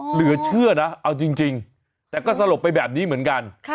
เหลือเชื่อนะเอาจริงแต่ก็สลบไปแบบนี้เหมือนกัน